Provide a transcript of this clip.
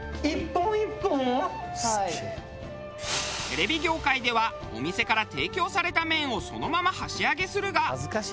テレビ業界ではお店から提供された麺をそのまま箸上げするが。